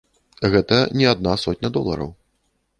Гэта не адна сотня долараў.